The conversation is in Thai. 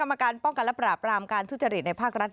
กรรมการป้องกันและปราบรามการทุจริตในภาครัฐ